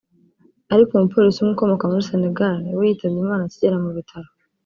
ariko umupolisi umwe ukomoka muri Senegal we yitabye Imana akigera mu bitaro